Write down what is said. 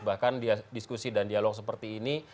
bahkan diskusi dan dialog seperti ini